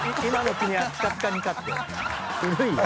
古いよ。